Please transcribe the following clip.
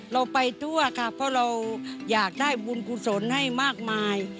เราไปทั่วค่ะเพราะเราอยากได้บุญกุศลให้มากมาย